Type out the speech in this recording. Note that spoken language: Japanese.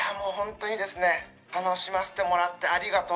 楽しませてもらってありがとう。